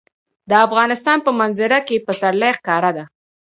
د افغانستان په منظره کې پسرلی ښکاره ده.